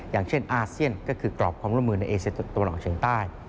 อย่างเช่นอาเซียนก็คือกรอบความร่วมมือในเอเชียตะวันออกเฉียงใต้